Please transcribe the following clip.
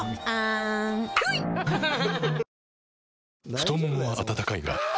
太ももは温かいがあ！